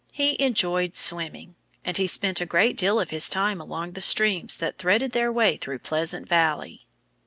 He enjoyed swimming. And he spent a great deal of his time along the streams that threaded their way through Pleasant Valley.